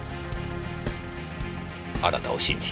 あなたを信じて。